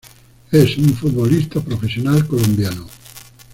Es un futbolista profesional colombiano.